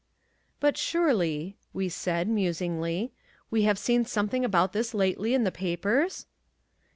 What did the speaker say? "But surely," we said, musingly, "we have seen something about this lately in the papers?"